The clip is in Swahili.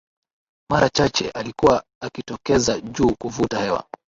Mara chache alikuwa akitokeza juu kuvuta hewa